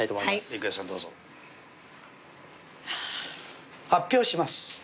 郁恵さんどうぞ。発表します。